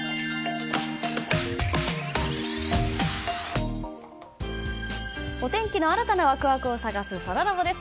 続いてはお天気の新たなワクワクを探すそらラボです。